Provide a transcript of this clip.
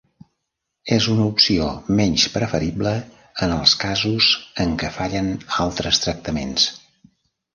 És una opció menys preferible en els casos en què fallen altres tractaments.